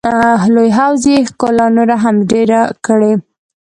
لوی حوض یې ښکلا نوره هم ډېره کړې.